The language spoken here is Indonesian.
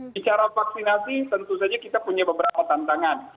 bicara vaksinasi tentu saja kita punya beberapa tantangan